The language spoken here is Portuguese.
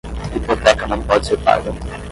Hipoteca não pode ser paga